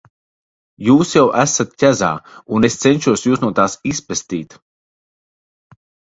Jūs jau esat ķezā, un es cenšos Jūs no tās izpestīt.